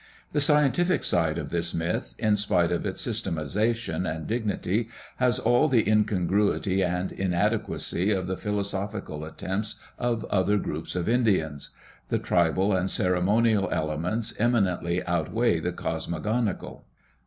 The scientific side of this myth, in spite of its systematization and dignity, has all the incongruity and inadequacy of the philosophical attempts of other groups of Indians. The tribal and ceremonial elements eminently outweigh the cosmogonical.